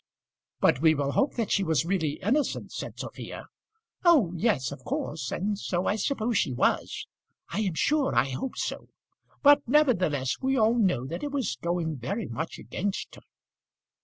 "But we will hope that she was really innocent," said Sophia. "Oh, yes; of course; and so I suppose she was. I am sure I hope so. But, nevertheless, we all know that it was going very much against her."